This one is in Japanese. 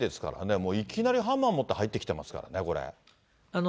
もういきなりハンマー持って入ってきていますからね、これね。